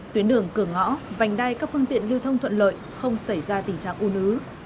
tuyến đường cường ngõ vành đai các phương tiện lưu thông thuận lợi không xảy ra tình trạng ung ứng